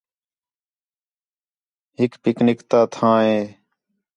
ہِک پِک نِک تا تھاں ہے